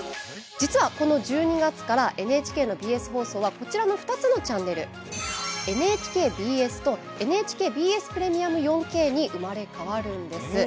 実は、この１２月からＮＨＫのＢＳ放送はこちらの２つのチャンネルＮＨＫＢＳとＮＨＫＢＳプレミアム４Ｋに生まれ変わるんです。